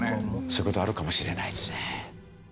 そういう事はあるかもしれないですね。